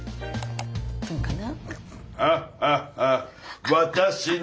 どうかな？